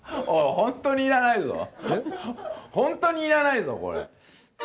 本当にいらないぞ、これ。